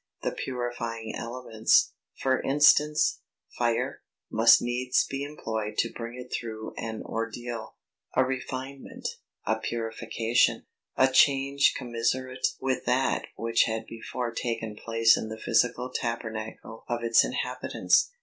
The purifying elements; for instance, fire, must needs be employed to bring it through an ordeal, a refinement, a purification, a change commensurate with that which had before taken place in the physical tabernacle of its inhabitants.